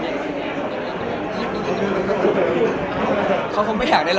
มันก็ยังมีเพื่อนแหละ